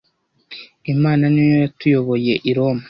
imana niyo yatuyoboye i roma